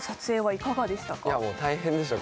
いやもう大変でしたよ